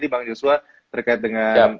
di bang josho terkait dengan